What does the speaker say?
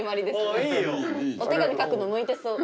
お手紙書くの向いてそう。